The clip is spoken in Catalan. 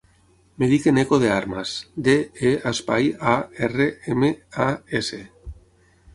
Em dic Eneko De Armas: de, e, espai, a, erra, ema, a, essa.